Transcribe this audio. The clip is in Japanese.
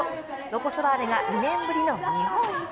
ロコ・ソラーレが２年ぶりの日本一。